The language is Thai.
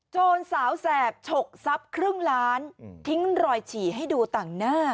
โจรสาวแสบฉกทรัพย์ครึ่งล้านทิ้งรอยฉี่ให้ดูต่างหน้า